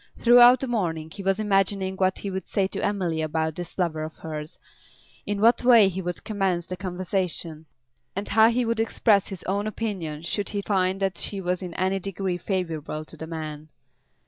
Throughout the morning he was imagining what he would say to Emily about this lover of hers, in what way he would commence the conversation, and how he would express his own opinion should he find that she was in any degree favourable to the man.